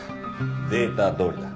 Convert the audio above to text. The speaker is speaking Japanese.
データどおりだ。